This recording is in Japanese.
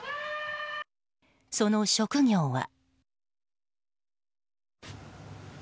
その職業は。